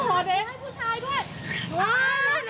เย็นนีอยู่ไหน